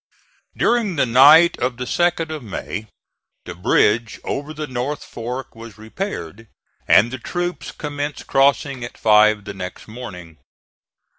During the night of the 2d of May the bridge over the North Fork was repaired, and the troops commenced crossing at five the next morning.